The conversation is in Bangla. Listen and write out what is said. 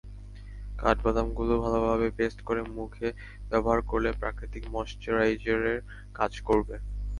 কাঠবাদামগুলো ভালোভাবে পেস্ট করে মুখে ব্যবহার করলে প্রাকৃতিক ময়েশ্চারাইজারের কাজ করবে।